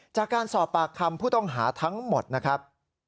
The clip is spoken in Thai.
จากการสอบปากคำผู้ต้องหาทั้งหมดนะครับ